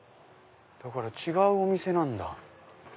だから違うお店なんだ。